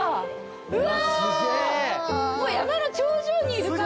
うわ山の頂上にいる感じだ。